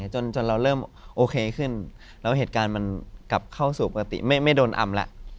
จนเราเริ่มโอเคขึ้นแล้วเหตุการณ์มันกลับเข้าสู่ปกติไม่โดนอำแล้ว